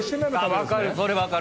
分かる！